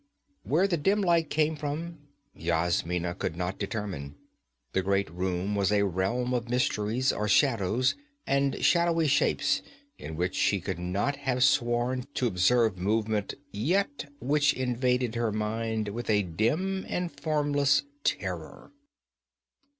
Where the dim light came from, Yasmina could not determine. The great room was a realm of mysteries, or shadows, and shadowy shapes in which she could not have sworn to observe movement, yet which invaded her mind with a dim and formless terror.